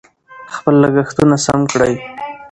خپل لګښتونه سم کړئ.